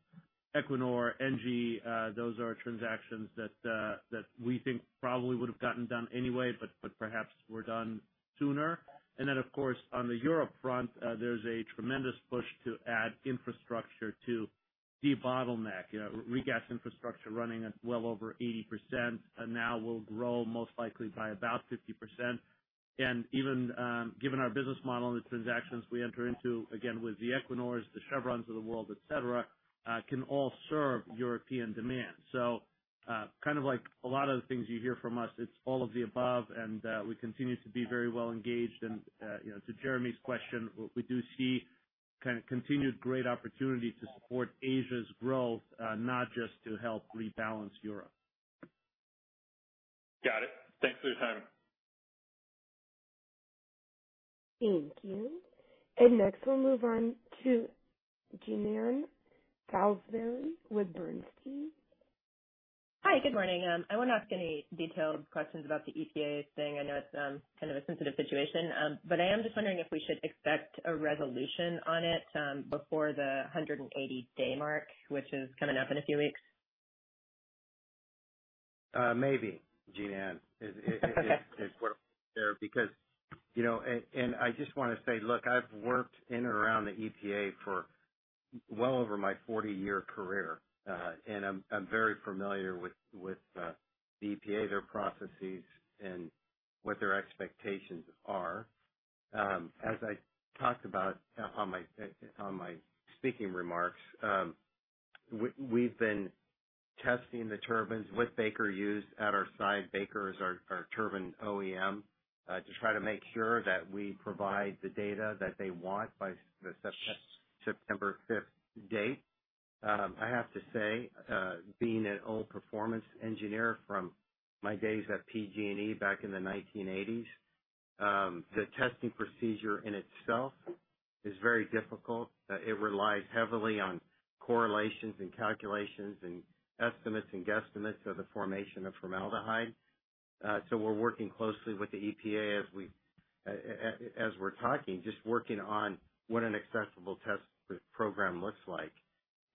Equinor, Engie. Those are transactions that we think probably would have gotten done anyway but perhaps were done sooner. Of course, on the Europe front, there's a tremendous push to add infrastructure to de-bottleneck. You know, regas infrastructure running at well over 80% now will grow most likely by about 50%. Even given our business model and the transactions we enter into, again, with the Equinors, the Chevrons of the world, et cetera, can all serve European demand. Kind of like a lot of the things you hear from us, it's all of the above. We continue to be very well engaged. You know, to Jeremy's question, we do see kind of continued great opportunity to support Asia's growth, not just to help rebalance Europe. Got it. Thanks for your time. Thank you. Next, we'll move on to Jean Ann Salisbury with Bernstein. Hi. Good morning. I won't ask any detailed questions about the EPA thing. I know it's kind of a sensitive situation. I am just wondering if we should expect a resolution on it before the 180-day mark, which is coming up in a few weeks. Maybe, Jean Ann. We're there because, you know. I just wanna say, look, I've worked in and around the EPA for well over my 40-year career. I'm very familiar with the EPA, their processes and what their expectations are. As I talked about on my speaking remarks, we've been testing the turbines with Baker Hughes at our site. Baker Hughes is our turbine OEM, to try to make sure that we provide the data that they want by the September fifth date. I have to say, being an old performance engineer from my days at PG&E back in the 1980s, the testing procedure in itself is very difficult. It relies heavily on correlations and calculations and estimates and guesstimates of the formation of formaldehyde. We're working closely with the EPA as we're talking, just working on what an acceptable test program looks like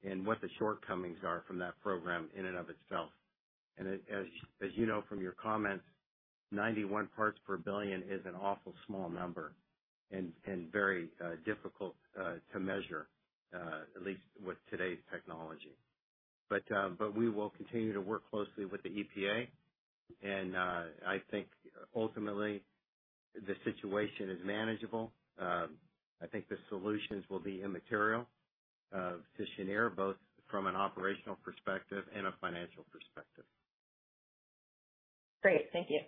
and what the shortcomings are from that program in and of itself. As you know from your comments, 91 parts per billion is an awful small number and very difficult to measure at least with today's technology. We will continue to work closely with the EPA, and I think ultimately the situation is manageable. I think the solutions will be immaterial to Cheniere both from an operational perspective and a financial perspective. Great. Thank you.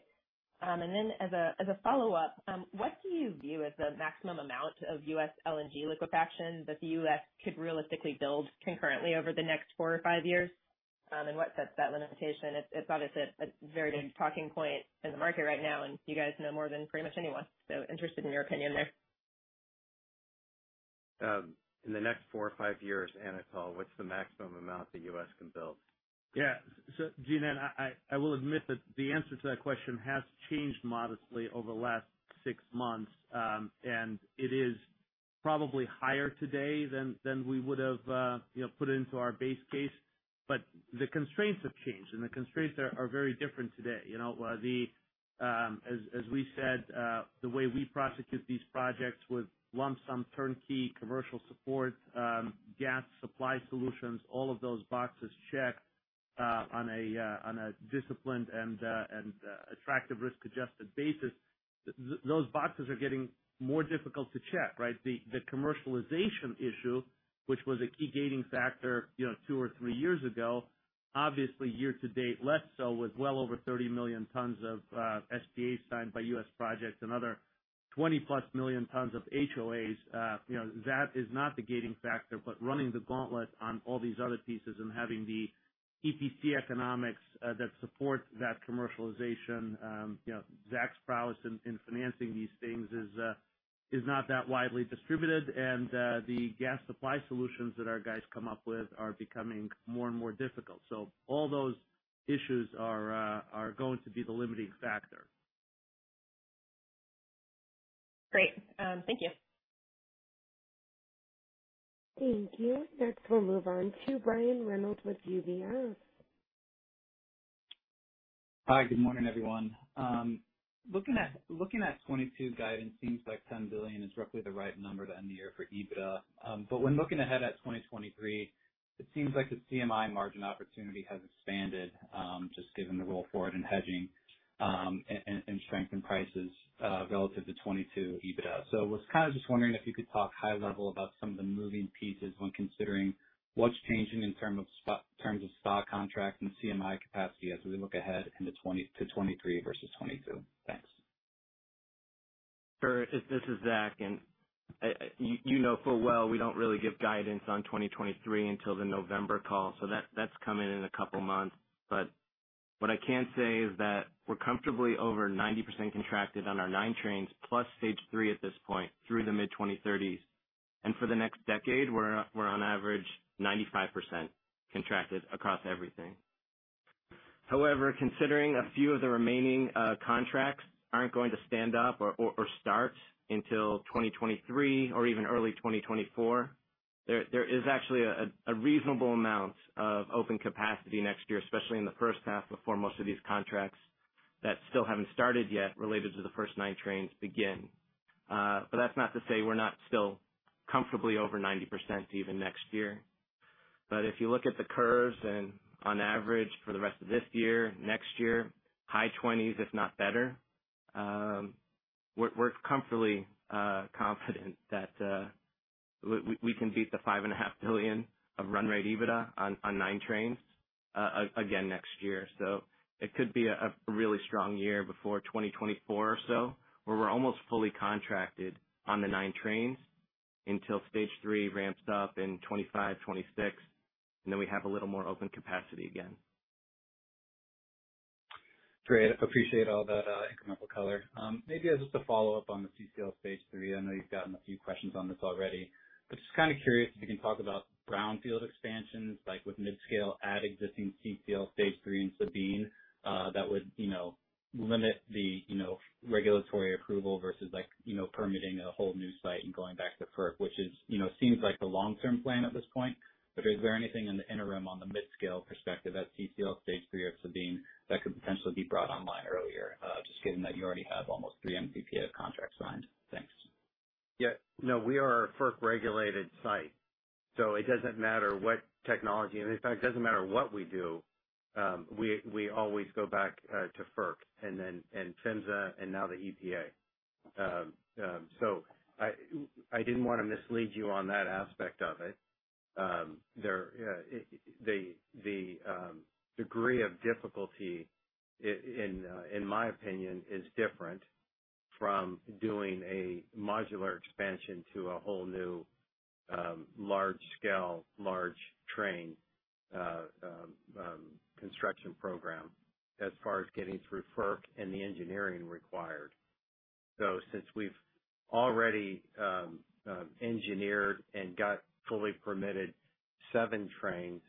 As a follow-up, what do you view as the maximum amount of U.S. LNG liquefaction that the U.S. could realistically build concurrently over the next four or five years? What sets that limitation? It's obviously a very big talking point in the market right now, and you guys know more than pretty much anyone, so interested in your opinion there. In the next four or five years, Jean Ann, what's the maximum amount the U.S. can build? Yeah. Jean Ann, I will admit that the answer to that question has changed modestly over the last six months. It is probably higher today than we would have, you know, put into our base case. The constraints have changed, and the constraints are very different today. You know, as we said, the way we prosecute these projects with lump sum turnkey commercial support, gas supply solutions, all of those boxes checked, on a disciplined and attractive risk-adjusted basis. Those boxes are getting more difficult to check, right? The commercialization issue, which was a key gating factor, you know, two or three years ago, obviously year to date, less so with well over 30 million tons of SPAs signed by U.S. projects, another 20+ million tons of HOAs. That is not the gating factor. Running the gauntlet on all these other pieces and having the EPC economics that support that commercialization, you know, Zach's prowess in financing these things is not that widely distributed. The gas supply solutions that our guys come up with are becoming more and more difficult. All those issues are going to be the limiting factor. Great. Thank you. Thank you. Next we'll move on to Brian Reynolds with UBS. Hi, good morning, everyone. Looking at 2022 guidance, seems like $10 billion is roughly the right number to end the year for EBITDA. But when looking ahead at 2023, it seems like the CMI margin opportunity has expanded, just given the roll forward and hedging, and strength in prices, relative to 2022 EBITDA. I was kind of just wondering if you could talk high level about some of the moving pieces when considering what's changing in terms of spot contract and CMI capacity as we look ahead into 2023 versus 2022. Thanks. Sure. This is Zach, and you know full well we don't really give guidance on 2023 until the November call. That's coming in a couple months. What I can say is that we're comfortably over 90% contracted on our nine trains, plus Stage 3 at this point through the mid-2030s. For the next decade, we're on average 95% contracted across everything. However, considering a few of the remaining contracts aren't going to stand up or start until 2023 or even early 2024, there is actually a reasonable amount of open capacity next year, especially in the first half before most of these contracts that still haven't started yet related to the first nine trains begin. That's not to say we're not still comfortably over 90% even next year. If you look at the curves and on average for the rest of this year, next year, high 20s, if not better, we're comfortably confident that we can beat the $5.5 billion of run rate EBITDA on nine trains again next year. It could be a really strong year before 2024 or so, where we're almost fully contracted on the nine trains until Stage 3 ramps up in 2025, 2026, and then we have a little more open capacity again. Great. Appreciate all that, incremental color. Maybe just a follow-up on the CCL Stage 3. I know you've gotten a few questions on this already, but just kind of curious if you can talk about brownfield expansions like with mid-scale at existing CCL Stage 3 and Sabine, that would, you know, limit the, you know, regulatory approval versus like, you know, permitting a whole new site and going back to FERC, which is, you know, seems like the long-term plan at this point. Is there anything in the interim on the mid-scale perspective at CCL Stage 3 or Sabine that could potentially be brought online earlier, just given that you already have almost 3 mtpa of contracts signed? Thanks. Yeah. No, we are a FERC-regulated site, so it doesn't matter what technology, and in fact, it doesn't matter what we do. We always go back to FERC and then PHMSA and now the EPA. So I didn't wanna mislead you on that aspect of it. The degree of difficulty in my opinion is different from doing a modular expansion to a whole new large scale large train construction program as far as getting through FERC and the engineering required. Since we've already engineered and got fully permitted seven trains,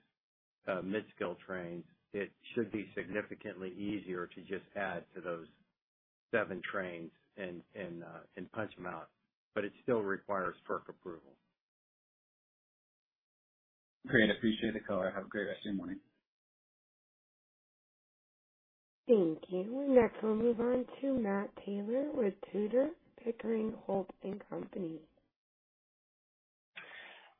mid-scale trains, it should be significantly easier to just add to those seven trains and punch them out, but it still requires FERC approval. Great. I appreciate the color. Have a great rest of your morning. Thank you. Next we'll move on to Matt Taylor with Tudor, Pickering, Holt & Co.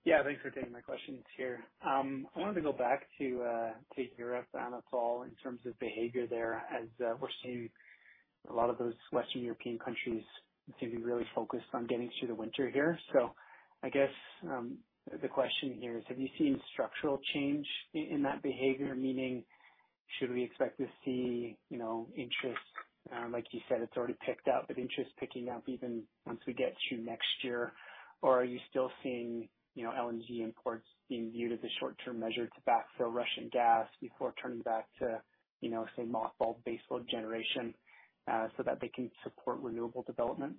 Yeah, thanks for taking my questions here. I wanted to go back to Europe, Anatol, in terms of behavior there, as we're seeing a lot of those Western European countries seem to be really focused on getting through the winter here. I guess the question here is, have you seen structural change in that behavior? Meaning should we expect to see, you know, interest, like you said, it's already picked up, but interest picking up even once we get to next year? Or are you still seeing, you know, LNG imports being viewed as a short-term measure to backfill Russian gas before turning back to, you know, say, mothballed baseload generation, so that they can support renewable development?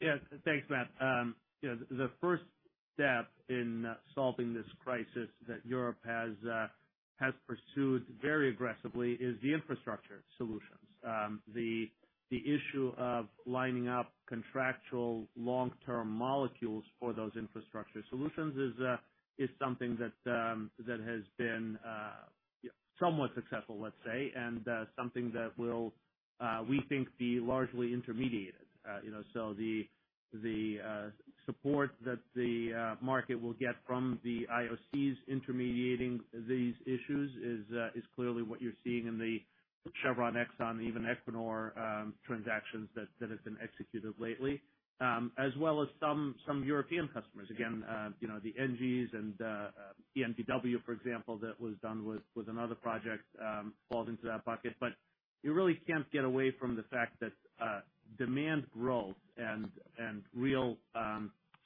Yeah. Thanks, Matt. You know, the first step in solving this crisis that Europe has pursued very aggressively is the infrastructure solutions. The issue of lining up contractual long-term molecules for those infrastructure solutions is something that has been somewhat successful, let's say, and something that will, we think, be largely intermediated. You know, so the support that the market will get from the IOCs intermediating these issues is clearly what you're seeing in the Chevron, Exxon, even Equinor transactions that have been executed lately, as well as some European customers. Again, you know, the Engie and EnBW, for example, that was done with another project falls into that bucket. You really can't get away from the fact that demand growth and real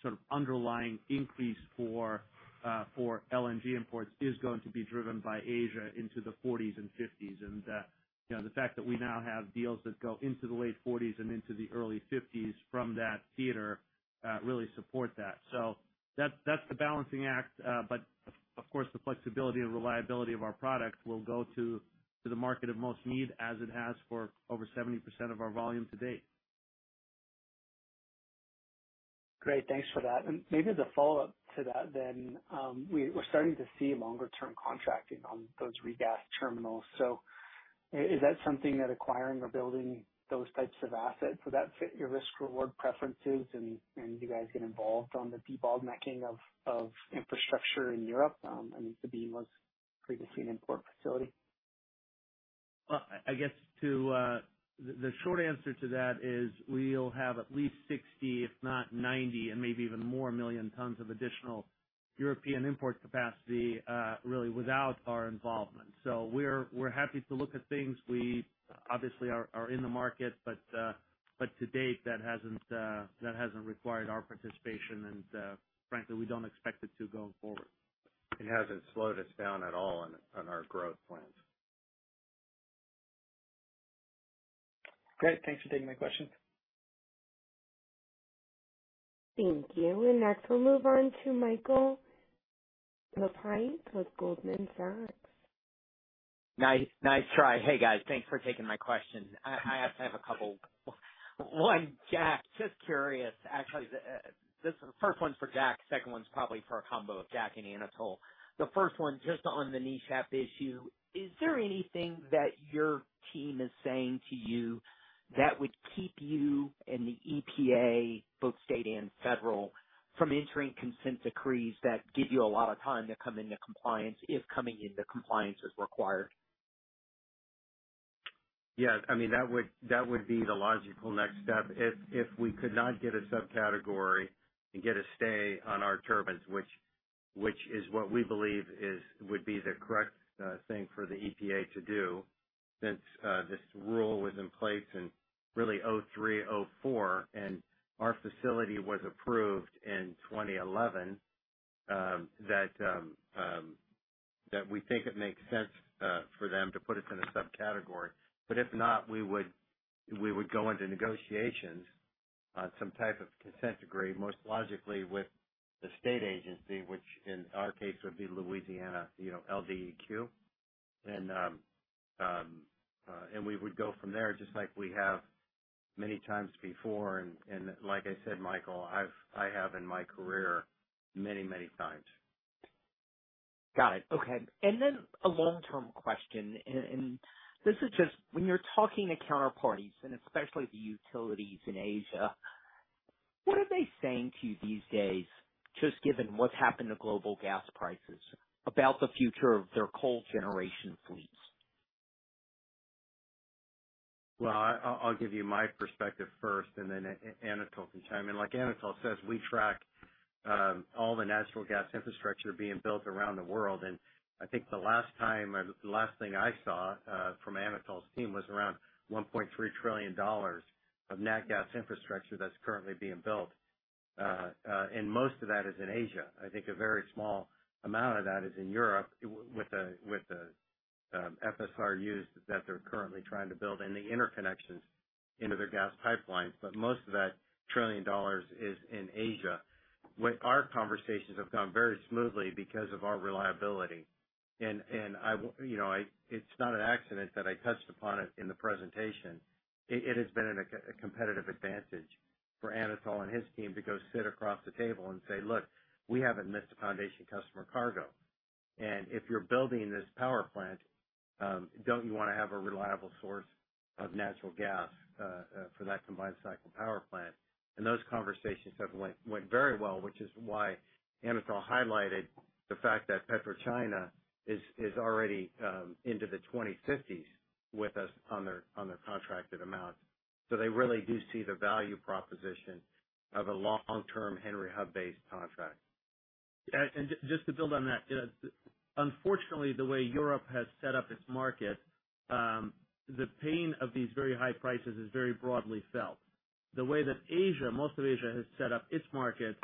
sort of underlying increase for LNG imports is going to be driven by Asia into the forties and fifties. The fact that we now have deals that go into the late forties and into the early fifties from that theater really support that. That's the balancing act. Of course, the flexibility and reliability of our product will go to the market of most need, as it has for over 70% of our volume to date. Great. Thanks for that. Maybe as a follow-up to that then, we're starting to see longer-term contracting on those regas terminals. Is that something that acquiring or building those types of assets would fit your risk-reward preferences and you guys get involved on the debottlenecking of infrastructure in Europe? I mean, Sabine was previously an import facility. Well, the short answer to that is we'll have at least 60, if not 90 and maybe even more million tons of additional European import capacity, really without our involvement. We're happy to look at things. We obviously are in the market, but to date, that hasn't required our participation and frankly, we don't expect it to going forward. It hasn't slowed us down at all on our growth plans. Great. Thanks for taking my questions. Thank you. Next we'll move on to Michael Lapides with Goldman Sachs. Nice try. Hey, guys. Thanks for taking my question. I actually have a couple. One, Jack, just curious. Actually, this first one's for Jack. Second one's probably for a combo of Jack and Anatol. The first one just on the NESHAP issue, is there anything that your team is saying to you that would keep you and the EPA, both state and federal, from entering consent decrees that give you a lot of time to come into compliance if coming into compliance is required? Yeah. I mean, that would be the logical next step. If we could not get a subcategory and get a stay on our turbines, which is what we believe would be the correct thing for the EPA to do, since this rule was in place in really 2003, 2004, and our facility was approved in 2011, that we think it makes sense for them to put us in a subcategory. But if not, we would go into negotiations on some type of consent decree, most logically with the state agency, which in our case would be Louisiana, you know, LDEQ. We would go from there just like we have many times before. Like I said, Michael, I have in my career many times. Got it. Okay. Then a long-term question, and this is just when you're talking to counterparties, and especially the utilities in Asia. What are they saying to you these days, just given what's happened to global gas prices about the future of their coal generation fleets? I'll give you my perspective first and then Anatol can chime in. Like Anatol says, we track all the natural gas infrastructure being built around the world. I think the last time, or the last thing I saw, from Anatol's team was around $1.3 trillion of nat gas infrastructure that's currently being built. Most of that is in Asia. I think a very small amount of that is in Europe with the FSRUs that they're currently trying to build and the interconnections into their gas pipelines. Most of that trillion dollars is in Asia. What our conversations have gone very smoothly because of our reliability. It's not an accident that I touched upon it in the presentation. It has been a competitive advantage for Anatol and his team to go sit across the table and say, "Look, we haven't missed a foundation customer cargo. And if you're building this power plant, don't you wanna have a reliable source of natural gas, for that combined cycle power plant?" Those conversations have went very well, which is why Anatol highlighted the fact that PetroChina is already into the 2050s with us on their contracted amounts. They really do see the value proposition of a long-term Henry Hub-based contract. Yeah, just to build on that. Unfortunately, the way Europe has set up its market, the pain of these very high prices is very broadly felt. The way that Asia, most of Asia has set up its market,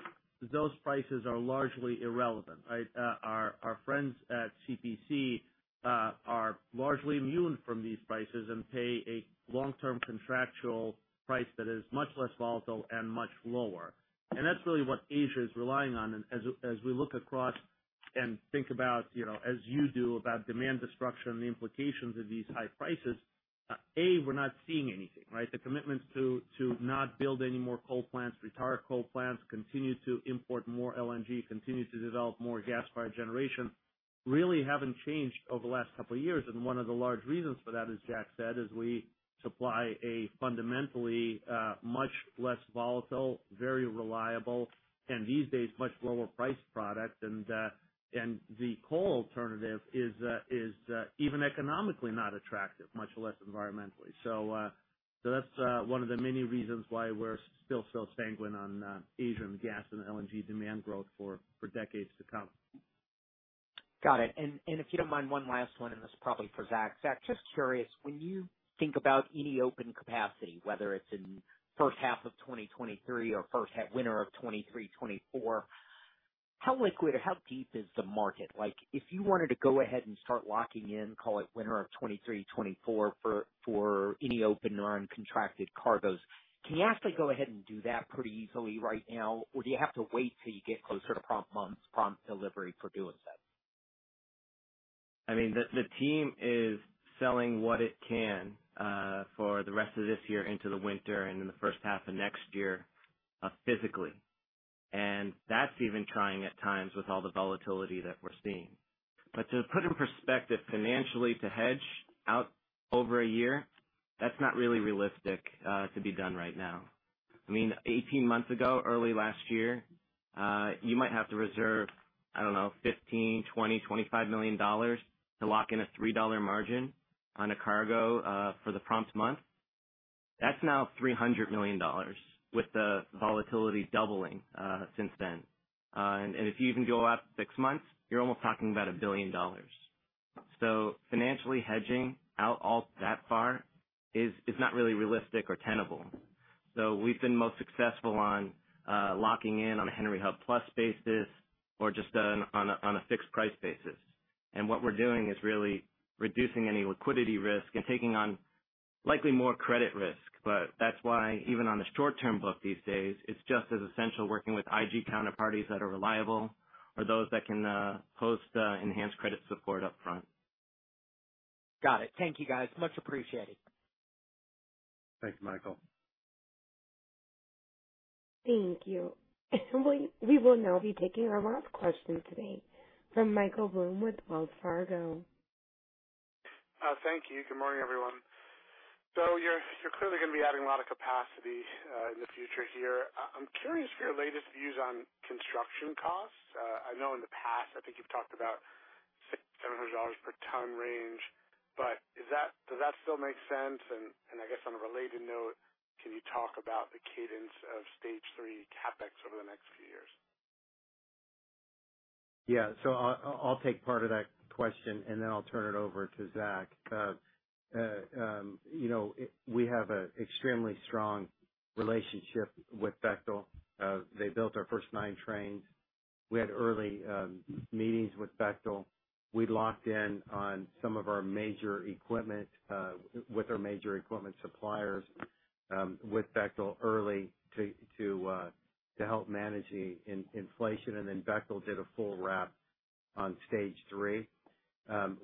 those prices are largely irrelevant, right? Our friends at CPC are largely immune from these prices and pay a long-term contractual price that is much less volatile and much lower. That's really what Asia is relying on. As we look across and think about, you know, as you do about demand destruction and the implications of these high prices, we're not seeing anything, right? The commitments to not build any more coal plants, retire coal plants, continue to import more LNG, continue to develop more gas-fired generation, really haven't changed over the last couple of years. One of the large reasons for that, as Jack said, is we supply a fundamentally much less volatile, very reliable, and these days, much lower priced product. The coal alternative is even economically not attractive, much less environmentally. That's one of the many reasons why we're still so sanguine on Asian gas and LNG demand growth for decades to come. Got it. If you don't mind, one last one, and this is probably for Zach. Zach, just curious, when you think about any open capacity, whether it's in first half of 2023 or winter of 2023, 2024, how liquid or how deep is the market? Like, if you wanted to go ahead and start locking in, call it winter of 2023, 2024 for any open or uncontracted cargoes, can you actually go ahead and do that pretty easily right now? Or do you have to wait till you get closer to prompt months, prompt delivery for doing so? I mean, the team is selling what it can for the rest of this year into the winter and in the first half of next year physically. That's even trying at times with all the volatility that we're seeing. To put in perspective financially to hedge out over a year, that's not really realistic to be done right now. I mean, 18 months ago, early last year, you might have to reserve, I don't know, $15 million, $20 million, $25 million to lock in a $3 margin on a cargo for the prompt month. That's now $300 million with the volatility doubling since then. If you even go out six months, you're almost talking about $1 billion. Financially, hedging out all that far is not really realistic or tenable. We've been most successful on locking in on a Henry Hub plus basis or just on a fixed price basis. What we're doing is really reducing any liquidity risk and taking on likely more credit risk. That's why even on the short-term book these days, it's just as essential working with IG counterparties that are reliable or those that can post enhanced credit support upfront. Got it. Thank you, guys. Much appreciated. Thanks, Michael. Thank you. We will now be taking our last question today from Michael Blum with Wells Fargo. Thank you. Good morning, everyone. You're clearly gonna be adding a lot of capacity in the future here. I'm curious for your latest views on construction costs. I know in the past, I think you've talked about $600-$700 per ton range. But does that still make sense? I guess on a related note, can you talk about the cadence of Stage 3 CapEx over the next few years? Yeah. I'll take part of that question, and then I'll turn it over to Zach. You know, we have an extremely strong relationship with Bechtel. They built our first nine trains. We had early meetings with Bechtel. We locked in on some of our major equipment with our major equipment suppliers with Bechtel early to help manage the inflation. Bechtel did a full rep on Stage 3.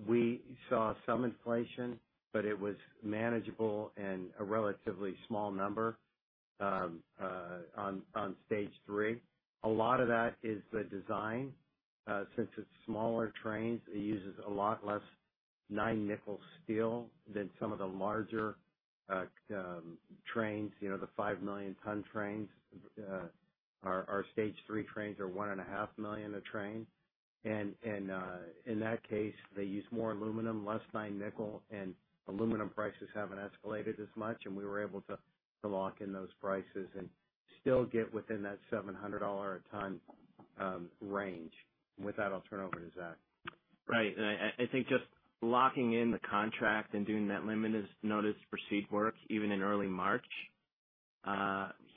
We saw some inflation, but it was manageable and a relatively small number on Stage 3. A lot of that is the design. Since it's smaller trains, it uses a lot less 9% nickel steel than some of the larger trains, you know, the 5 million-ton trains. Our Stage 3 trains are 1.5 million a train. In that case, they use more aluminum, less 9% nickel, and aluminum prices haven't escalated as much, and we were able to lock in those prices and still get within that $700 a ton range. With that, I'll turn it over to Zach. Right. I think just locking in the contract and doing that limited notice to proceed work even in early March.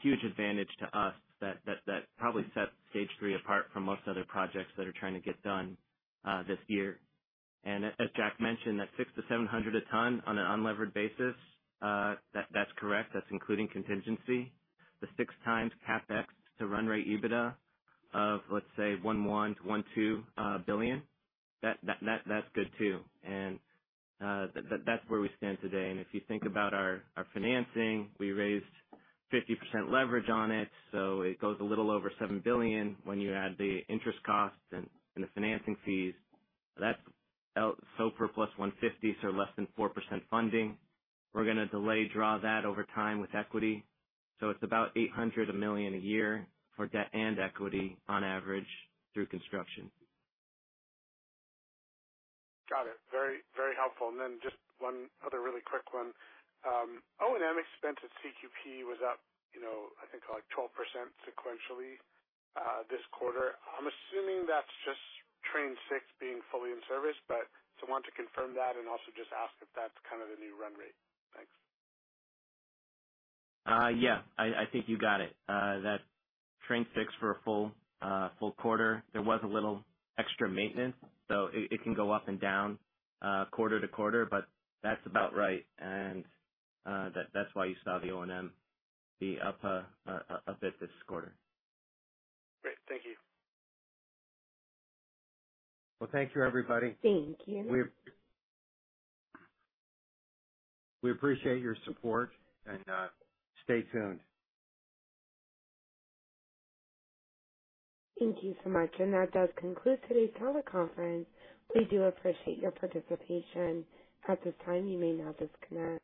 Huge advantage to us that probably sets Stage 3 apart from most other projects that are trying to get done this year. As Jack mentioned, that 600-700 a ton on an unlevered basis, that's correct. That's including contingency. The 6x CapEx to run rate EBITDA of, let's say, $1.1 billion-$1.2 billion, that's good too. That's where we stand today. If you think about our financing, we raised 50% leverage on it, so it goes a little over $7 billion when you add the interest costs and the financing fees. That's SOFR plus 150, so less than 4% funding. We're gonna delayed draw that over time with equity. It's about $800 million a year for debt and equity on average through construction. Got it. Very, very helpful. Just one other really quick one. O&M expense at CQP was up, you know, I think like 12% sequentially this quarter. I'm assuming that's just Train 6 being fully in service, but just want to confirm that and also just ask if that's kind of the new run rate. Thanks. Yeah. I think you got it. That Train 6 for a full quarter, there was a little extra maintenance, so it can go up and down quarter to quarter, but that's about right. That's why you saw the O&M be up a bit this quarter. Great. Thank you. Well, thank you, everybody. Thank you. We appreciate your support and stay tuned. Thank you so much. That does conclude today's teleconference. We do appreciate your participation. At this time, you may now disconnect.